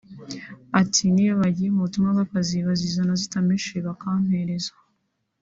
Ati “Niyo bagiye mu butumwa bw’akazi bazizana zitameshe bakampereza